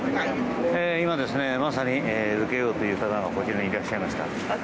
今まさに受けようという方がこちらにいらっしゃいました。